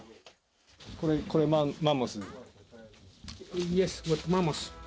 これ、マンモス？